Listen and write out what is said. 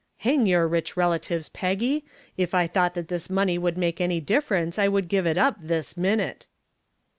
"Hang your rich relatives, Peggy; if I thought that this money would make any difference I would give it up this minute."